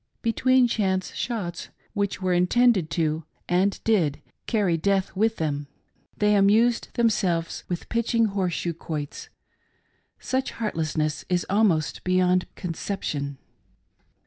Between chance shots, which were intended to, and did, carry death with them, they amused them selves with "pitching horse shoe quoits:" — such heartlessness is almost beyond conception.